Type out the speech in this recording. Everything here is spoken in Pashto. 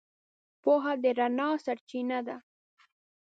پوهه د رڼا سرچینه ده.